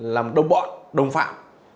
làm đống bọn đồng phạm